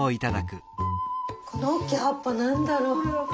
この大きい葉っぱ何だろ？